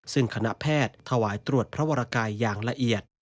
ซึ่งคณะแพทย์ถวายตรวจพระวรกายอย่างละเอียด